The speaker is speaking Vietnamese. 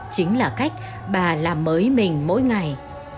chính là cách bà làm mới mình mỗi ngày